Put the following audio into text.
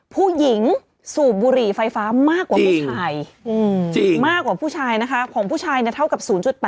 ผู้หญิงสูบบุหรี่ไฟฟ้ามากกว่าผู้ชายนะคะของผู้ชายเนี่ยเท่ากับ๐๘